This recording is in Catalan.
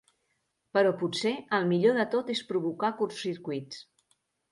Però potser el millor de tot és provocar curtcircuits.